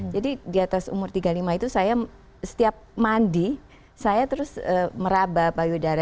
jadi di atas umur tiga puluh lima itu saya setiap mandi saya terus meraba payudara